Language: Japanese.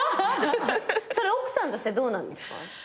それ奥さんとしてどうなんですか？